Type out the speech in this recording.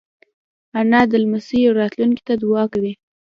انا د لمسیو راتلونکې ته دعا کوي